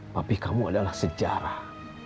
papih kamu adalah sejarah